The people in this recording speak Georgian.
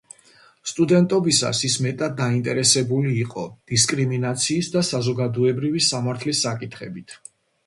სტუდენტობისას ის მეტად დაინტერესებული იყო დისკრიმინაციის და საზოგადოებრივი სამართლის საკითხებით.